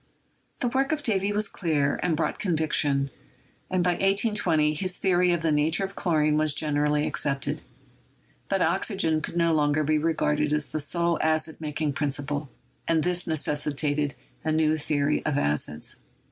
The work of Davy was clear and brought conviction, and by 1820 his theory of the nature of chlorine was gen erally accepted. But oxygen could no longer be regarded as the sole acid making principle, and this necessitated a new theory of acids.